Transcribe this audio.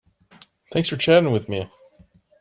Thanks for chatting with me.